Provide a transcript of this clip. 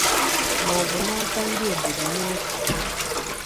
maọbụ n'aka ndị obodo n'efù